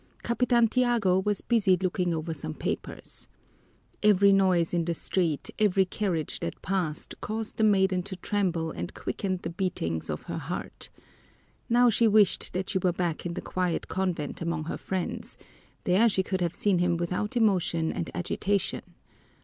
Capitan Tiago was busy looking over some papers. Every noise in the street, every carriage that passed, caused the maiden to tremble and quickened the beatings of her heart. Now she wished that she were back in the quiet convent among her friends; there she could have seen him without emotion and agitation!